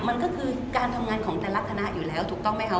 มันก็คือการทำงานของแต่ละคณะอยู่แล้วถูกต้องไหมคะ